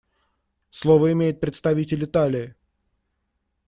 Слово имеет представитель Италии.